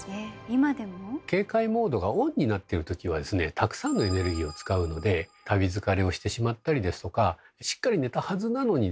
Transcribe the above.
たくさんのエネルギーを使うので「旅疲れ」をしてしまったりですとかしっかり寝たはずなのにですね